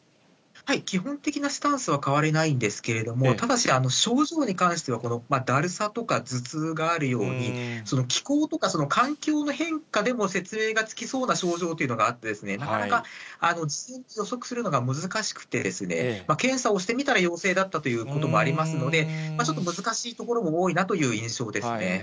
基本的なスタンスは変わりないんですけれども、ただし、症状に関しては、このだるさとか、頭痛があるように、気候とか環境の変化でも説明がつきそうな症状というのがあって、なかなか予測するのが難しくて、検査をしてみたら陽性だったということもありますので、ちょっと難しいところも多いなという印象ですね。